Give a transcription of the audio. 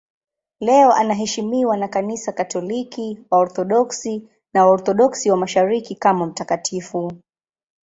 Leo anaheshimiwa na Kanisa Katoliki, Waorthodoksi na Waorthodoksi wa Mashariki kama mtakatifu.